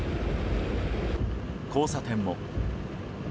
交差点も。